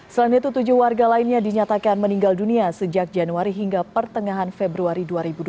selain itu tujuh warga lainnya dinyatakan meninggal dunia sejak januari hingga pertengahan februari dua ribu dua puluh